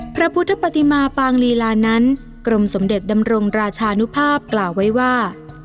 พระพุทธปฏิมาปางลีลานั้นกรมสมเด็จดำรงราชานุภาพกล่าวไว้ว่า